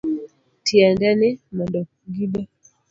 Tiende ni, mondo gibe